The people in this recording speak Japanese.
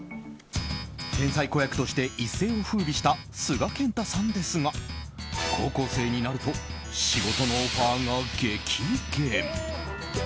天才子役として一世を風靡した須賀健太さんですが高校生になると仕事のオファーが激減。